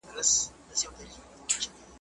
په اوږد مزله کي به دي پر لار سم `